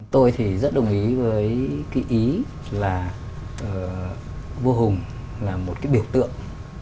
tôi thì rất đồng ý với cái ý là vua hùng là một cái biểu tượng